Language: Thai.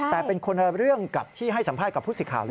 แต่เป็นคนละเรื่องกับที่ให้สัมภาษณ์กับผู้สิทธิ์ข่าวเลย